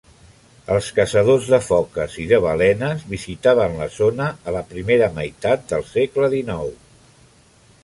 Els caçadors de foques i de balenes visitaven la zona a la primera meitat del segle XIX.